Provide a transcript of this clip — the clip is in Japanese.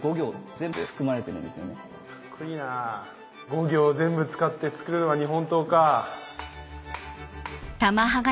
五行全部使って作るのが日本刀かぁ。